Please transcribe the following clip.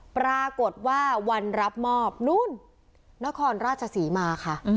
ปรากฏว่าวันรับมอบนู่นนครราชศรีมาค่ะ